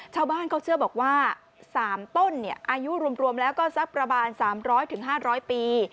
ชาวบ้านเขาเชื่อบอกว่า๓ต้นอายุรวมแล้วก็สักประมาณ๓๐๐๕๐๐ปี